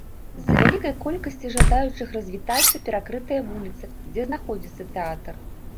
З-за вялікай колькасці жадаючых развітацца перакрытая вуліца, дзе знаходзіцца тэатр.